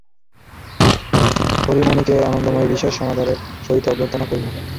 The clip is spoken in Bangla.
হরিমোহিনীকে আনন্দময়ী বিশেষ সমাদরের সহিত অভ্যর্থনা করিলেন।